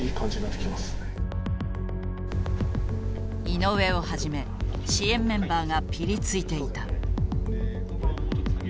井上をはじめ支援メンバーがピリついていた。